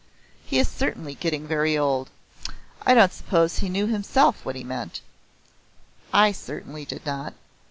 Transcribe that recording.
He is certainly getting very old. I don't suppose he knew himself what he meant." I certainly did not.